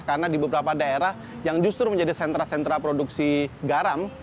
karena di beberapa daerah yang justru menjadi sentra sentra produksi garam